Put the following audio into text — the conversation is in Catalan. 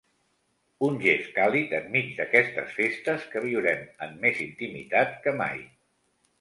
Un gest càlid enmig d’aquestes festes que viurem en més intimitat que mai.